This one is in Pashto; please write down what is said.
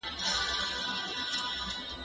زه هره ورځ پاکوالي ساتم؟!